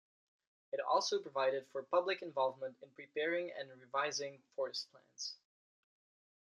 It also provided for public involvement in preparing and revising forest plans.